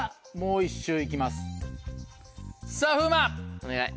お願い。